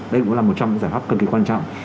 đây cũng là một trong những giải pháp cực kỳ quan trọng